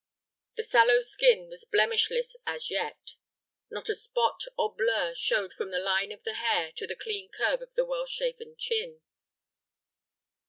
The sallow skin was blemishless as yet. Not a spot or blur showed from the line of the hair to the clean curve of the well shaven chin.